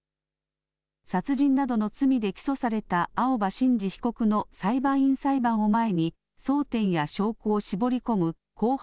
殺人などの罪で起訴された青葉真司被告の裁判員裁判を前に争点や証拠を絞り込む公判